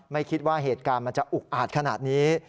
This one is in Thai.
ไม่คิดว่าเหตุการณ์มันจะอุกอาจขนาดนี้